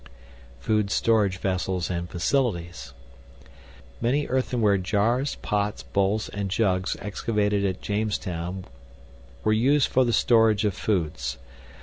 FOOD STORAGE VESSELS AND FACILITIES Many earthenware jars, pots, bowls, and jugs excavated at Jamestown were used for the storage of foods.